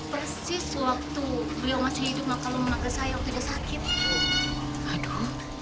persis waktu beliau masih hidup maka lo menganggap saya waktu dia sakit